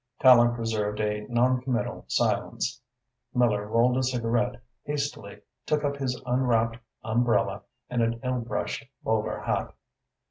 Tallente preserved a noncommittal silence. Miller rolled a cigarette hastily, took up his unwrapped umbrella and an ill brushed bowler hat.